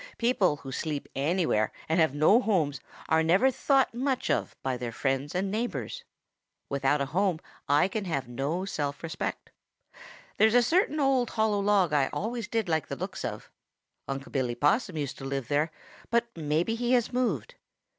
People who sleep anywhere and have no homes are never thought much of by their friends and neighbors. Without a home I can have no self respect. There's a certain old hollow tree I always did like the looks of. Unc' Billy Possum used to live there, but maybe he has moved.